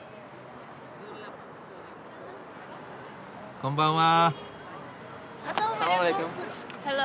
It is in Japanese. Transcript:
こんばんは。